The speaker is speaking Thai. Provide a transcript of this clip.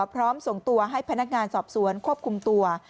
พร้อมส่งตัวให้พนักงานสอบสวนควบคุมตัว